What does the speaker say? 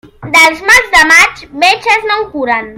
Dels mals de maig, metges no en curen.